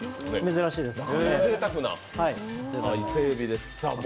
珍しいです。